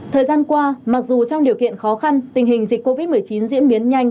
thời gian qua mặc dù trong điều kiện khó khăn tình hình dịch covid một mươi chín diễn biến nhanh